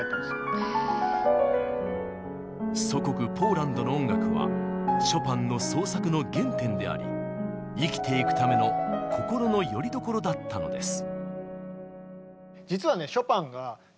祖国ポーランドの音楽はショパンの創作の原点であり生きていくための心のよりどころだったのです。